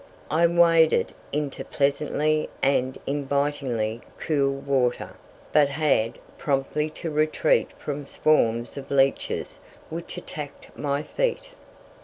I waded into the pleasantly and invitingly cool water, but had promptly to retreat from swarms of leeches which attacked my feet.